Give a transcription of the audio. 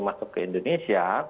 masuk ke indonesia